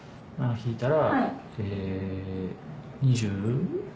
引いたら。